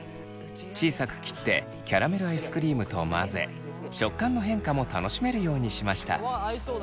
小さく切ってキャラメルアイスクリームと混ぜ食感の変化も楽しめるようにしました。